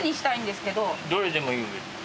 どれでもいいよ。